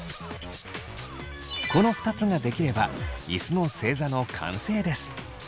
この２つができれば椅子の正座の完成です。